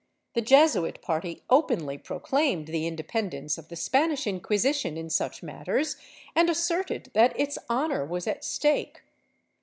The Jesuit party openly proclaimed the independence of the Spanish Inquisition in such matters, and asserted that its honor was at stake.